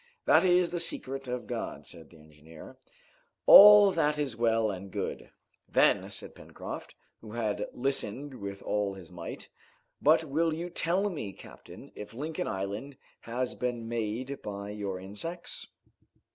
"That is the secret of God," said the engineer. "All that is well and good," then said Pencroft, who had listened with all his might, "but will you tell me, captain, if Lincoln Island has been made by your insects?"